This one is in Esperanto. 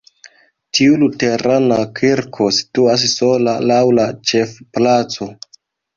Tiu luterana kirko situas sola laŭ la ĉefplaco.